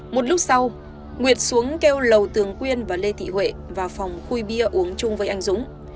một lúc sau nguyệt xuống kêu lầu tường quyên và lê thị huệ vào phòng khui bia uống chung với anh dũng